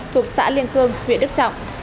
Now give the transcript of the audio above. thuộc xã liên khương huyện đức trọng